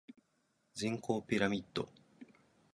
人口ピラミッド